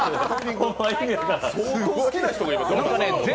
相当好きな人がいますよ。